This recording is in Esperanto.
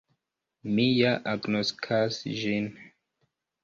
Mi ja agnoskas ĝin.